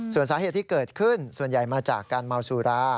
ส่วนสาเหตุที่เกิดขึ้นส่วนใหญ่มาจากการเมาสุรา